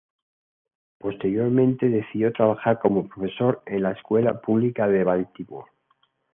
Posteriormente decidió trabajar como profesor en la escuela pública de Baltimore.